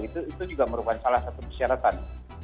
itu juga merupakan salah satu persyaratan